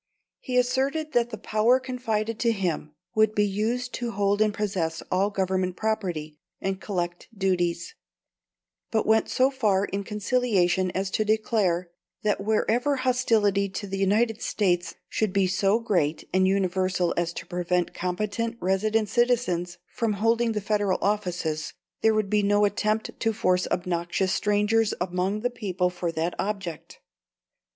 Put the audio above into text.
He asserted that the power confided to him would be used to hold and possess all Government property and collect duties; but went so far in conciliation as to declare, that wherever hostility to the United States should be so great and universal as to prevent competent resident citizens from holding the Federal offices, there would be no attempt to force obnoxious strangers among the people for that object.